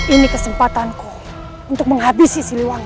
ini kesempatanku untuk menghabisi siluang